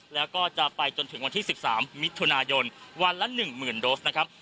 แล้วก็จะไปจนถึงวันที่๑๓มิถุนายนวันละ๑๐๐๐โดสนะครับ